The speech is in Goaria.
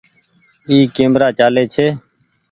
اي ڪيمرا چآلي ڇي